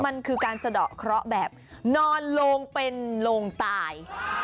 มันคือการสะดอกเคราะห์แบบนอนโลงเป็นโลงตาย